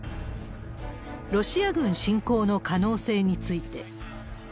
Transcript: ロシア軍侵攻の可能性について。